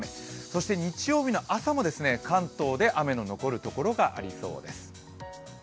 そして日曜日の朝も関東で雨の残る所がありそうです。